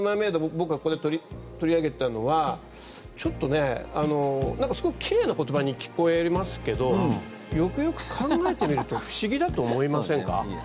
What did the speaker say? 僕がここで取り上げたのはちょっと、すごく奇麗な言葉に聞こえますけどよくよく考えてみると不思議だと思いませんか？